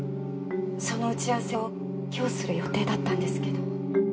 その打ち合わせを今日する予定だったんですけど。